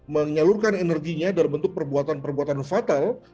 menyalurkan energinya dalam bentuk perbuatan perbuatan fatal